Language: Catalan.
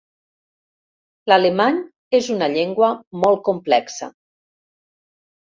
L'alemany és una llengua molt complexa.